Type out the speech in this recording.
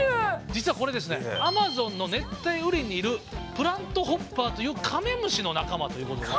実はこれですねアマゾンの熱帯雨林にいるプラントホッパーというカメムシの仲間ということで。